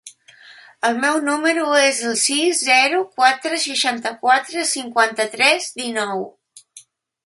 El meu número es el sis, zero, quatre, seixanta-quatre, cinquanta-tres, dinou.